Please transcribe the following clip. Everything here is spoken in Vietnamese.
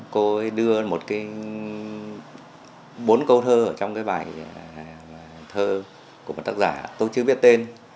cô ấy đưa bốn câu thơ trong bài thơ của một tác giả tôi chưa biết tên